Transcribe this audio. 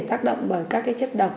tác động bởi các chất độc